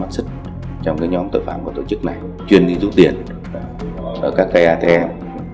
là một cái mặt sức trong cái nhóm tội phạm của tổ chức này chuyên đi rút tiền ở các cây atm